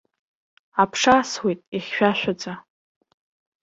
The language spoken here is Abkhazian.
Аԥша асуеит ихьшәашәаӡа.